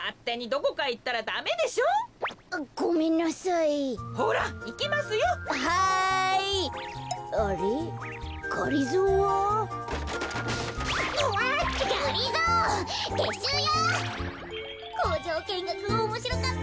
こうじょうけんがくおもしろかった。